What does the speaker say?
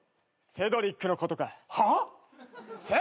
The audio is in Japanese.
セドリックのことかー！